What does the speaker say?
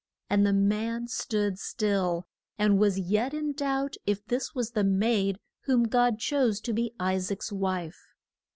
And the man stood still, and was yet in doubt if this was the maid whom God chose to be I saac's wife.